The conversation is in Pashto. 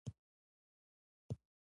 ما ورته وویل: ښه شپه، چې ارام ویده شې.